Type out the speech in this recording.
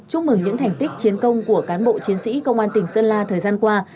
chúc mừng những thành tích chiến công của cán bộ chiến sĩ công an tỉnh sơn la thời gian qua